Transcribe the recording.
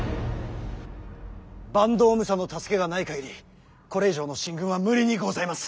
坂東武者の助けがない限りこれ以上の進軍は無理にございます。